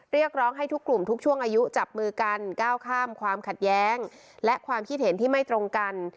เรียกร้องให้ทุกกลุ่มทุกช่วงอายุจับมือกันก้าวข้ามความขัดแย้งและความคิดเห็นที่ไม่ตรงกัน